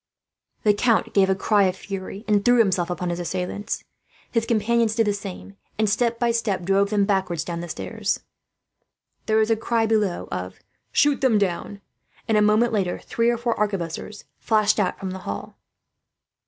The count gave a cry of fury, and threw himself upon his assailants. His companions did the same and, step by step, drove them backward down the stairs. There was a cry below of "Shoot them down!" and, a moment later, three or four arquebuses flashed out from the hall.